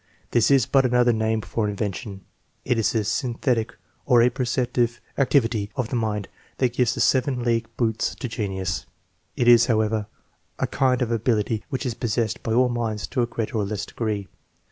This is but another name for invention. It is the synthetic, or apperceptive, activity of the mind that gives the " seven league boots " to genius. It is, however, a kind of ability which is possessed by all minds to a greater or less degree.